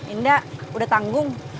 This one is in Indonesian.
indah udah tanggung